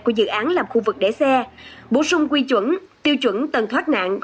của dự án làm khu vực để xe bổ sung quy chuẩn tiêu chuẩn tầng thoát nạn